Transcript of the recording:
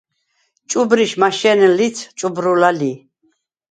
ჭუბრიშ მაშენ ლიც ჭუბრულა ლი.